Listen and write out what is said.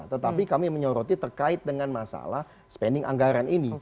tetapi kami menyoroti terkait dengan masalah spending anggaran ini